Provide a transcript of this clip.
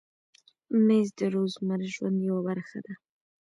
مېز د روزمره ژوند یوه برخه ده.